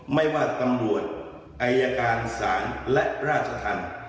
ไม่ว่าตำรวจอายการศาลและราชธรรม